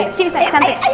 eh sini santai